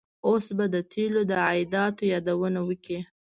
اوس به د تیلو د عایداتو یادونه وکړي.